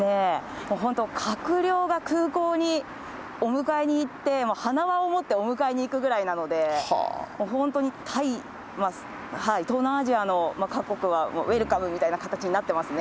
もう本当、閣僚が空港にお迎えに行って、花輪を持ってお迎えに行くぐらいなので、もう本当にタイ、東南アジアの各国はウエルカムみたいな形になってますね。